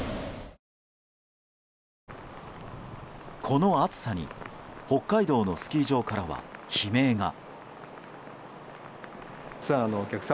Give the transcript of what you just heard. この暑さに北海道のスキー場からは悲鳴が。